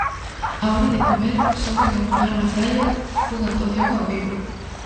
Á hora de comer soben a un bar na praia cunha actuación ao vivo.